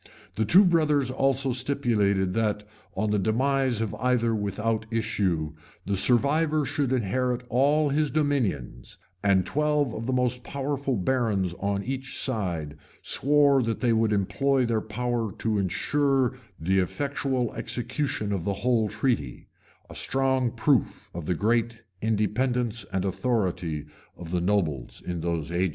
The two brothers also stipulated, that, on the demise of either without issue, the survivor should inherit all his dominions; and twelve of the most powerful barons on each side swore that they would employ their power to insure the effectual execution of the whole treaty,[*] a strong proof of the great independence and authority of the nobles in those ages.